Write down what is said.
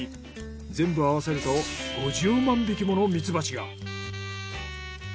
全部あわせると５０万匹ものミツバチが。